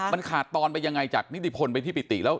มันขาดตอนไปยังไงจากนิติพลไปที่ปิติแล้ว